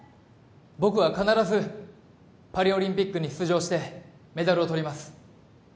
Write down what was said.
僕は必ずパリオリンピックに出場してメダルを取ります